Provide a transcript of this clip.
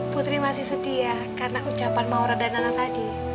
putri masih sedia karena ucapan mawarat dan nangang tadi